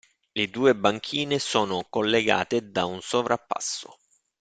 Le due banchine sono collegate da un sovrappasso.